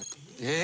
・え！